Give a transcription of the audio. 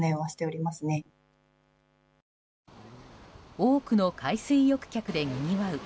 多くの海水浴客でにぎわう